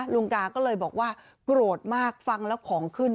ลุงกาก็เลยบอกว่าโกรธมากฟังแล้วของขึ้น